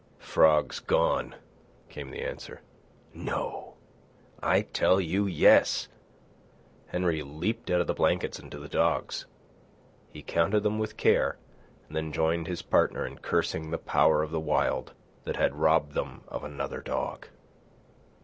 "Frog's gone," came the answer. "No." "I tell you yes." Henry leaped out of the blankets and to the dogs. He counted them with care, and then joined his partner in cursing the power of the Wild that had robbed them of another dog.